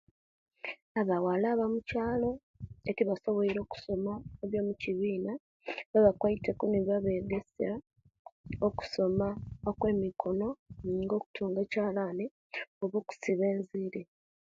Abawala abamukyalo etibasobwere okusoma ebye mukibina babakwaiteku nebabegesia okusoma okwemikono nga okutunga ekyalaani oba okusiba enziiri.